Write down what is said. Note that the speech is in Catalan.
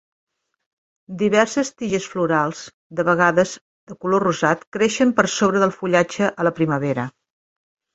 Diverses tiges florals, de vegades de color rosat, creixen per sobre del fullatge a la primavera.